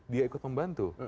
dia ikut membantu